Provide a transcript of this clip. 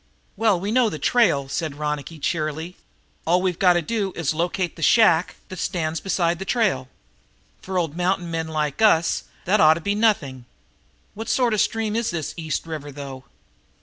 "Well, we know the trail," said Ronicky cheerily. "All we've got to do is to locate the shack that stands beside that trail. For old mountain men like us that ought to be nothing. What sort of a stream is this East River, though?"